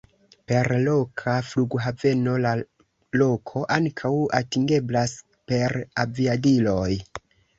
Per loka flughaveno la loko ankaŭ atingeblas per aviadiloj.